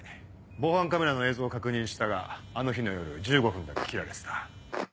防犯カメラの映像を確認したがあの日の夜１５分だけ切られてた。